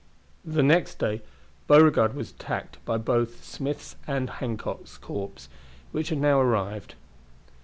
The next day Beauregard was attacked both by Smith's and Hancock's corps, which had now arrived.